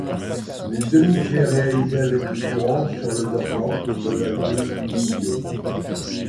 Une demi-clef réalisée avec le courant sur le dormant donne un demi-nœud.